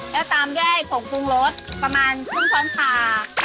แล้วตามด้วยผงปรุงรสประมาณชุ่มช้อนชา